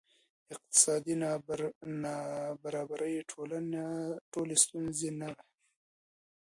اقتصادي نابرابري ټولې ستونزې نه وه.